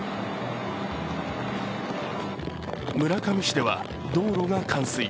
村上市では道路が冠水。